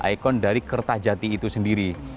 ikon dari kertajati itu sendiri